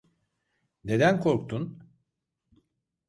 Neden korktun?